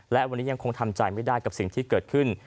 และวันนี้ยังคงทำใจไม่ได้กับสิ่งที่เกิดขึ้น